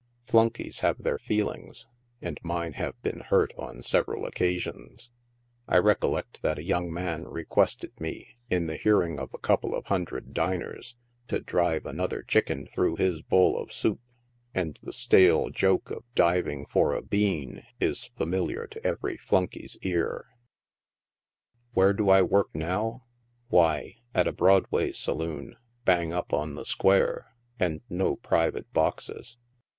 Flunkeys have their feelings, and mine have been hurt on several occasions. I recollect that a young man re quested me, in the hearing of a couple of hundred diners, to drive Knottier chicken through his bowl of soup ; and the stale joke of diving for a bean is familiar to every flunkey's ear. Where do I work now ? why, at a Broadway saloon, bang up on the square, and no private boxes.